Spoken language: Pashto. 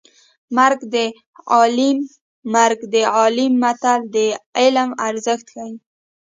مرګ د عالیم مرګ د عالیم متل د عالم ارزښت ښيي